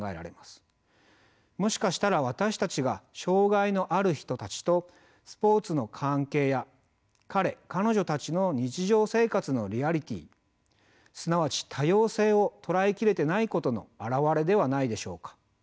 もしかしたら私たちが障害のある人たちとスポーツの関係や彼彼女たちの日常生活のリアリティーすなわち多様性を捉え切れてないことのあらわれではないでしょうか。